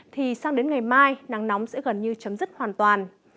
thì sang đến ngày mai nắng nóng sẽ gần như chấm dứt hoàn toàn